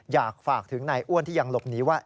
อยากฝากถึงนายอ้วนที่ยังหลบหนีว่า